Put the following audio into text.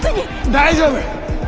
大丈夫！